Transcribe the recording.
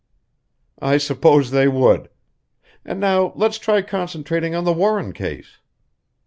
"I suppose they would. And now let's try concentrating on the Warren case."